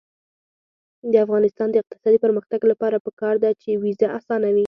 د افغانستان د اقتصادي پرمختګ لپاره پکار ده چې ویزه اسانه وي.